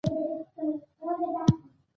ځینې معلومات لکه عمر او تحصیل شامل نهدي